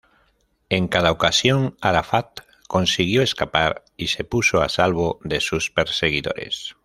En cada ocasión, Arafat consiguió escapar, y se puso a salvo de sus perseguidores.